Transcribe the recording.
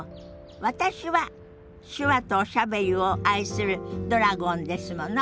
私は手話とおしゃべりを愛するドラゴンですもの。